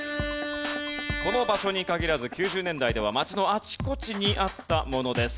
この場所に限らず９０年代では街のあちこちにあったものです。